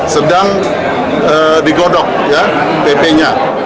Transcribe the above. sedang digodok ya pp nya